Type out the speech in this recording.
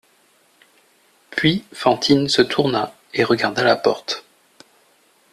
Puis Fantine se tourna et regarda la porte.